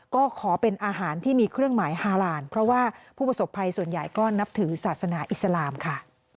ก็ขอเป็นอาหารที่มีเครื่องหมายฮาลานเพราะว่าผู้ประสบภัยส่วนใหญ่ก็นับถือศาสนาอิสลามค่ะ